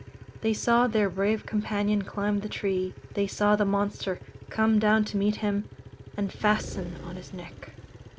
They saw their brave companion climb the tree; they saw the monster come down to meet him, and fasten on his neck.